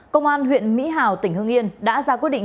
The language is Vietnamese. công an huyện mỹ hào tỉnh hương yên đã ra quyết định